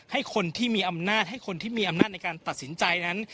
ให้คนที่มีอำนาจให้คนที่มีอำนาจในการตัดสินใจนั้น